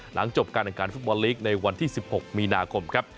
หลังจบการแข่งขันฟุตบอลลีกในวันที่๑๖มีนาคมครับ